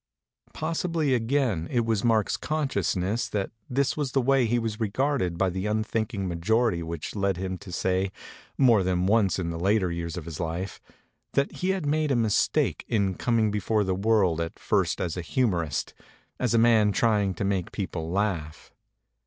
Possibly again it was Mark's consciousness that this was the way he was regarded by the un thinking majority which led him to say, more than once in the later years of his life, that he had made a mistake in coming before the world at first as a humorist, as a man trying to make people laugh.